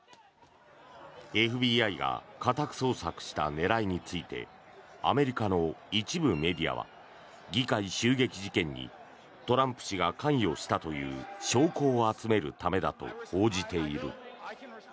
ＦＢＩが家宅捜索した狙いについてアメリカの一部メディアは議会襲撃事件にトランプ氏が関与したという証拠を集めるためだと報じている。